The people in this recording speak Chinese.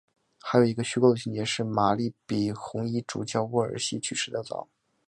还有一个虚构的情节是玛丽比红衣主教沃尔西去世的要早。